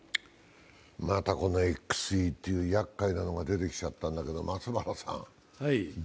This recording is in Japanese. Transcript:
またこのＸＥっていうやっかいなのが出てきちゃったんだけど。